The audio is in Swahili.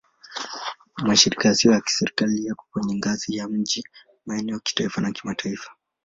Mashirika yasiyo ya Kiserikali yako kwenye ngazi ya miji, maeneo, kitaifa na kimataifa.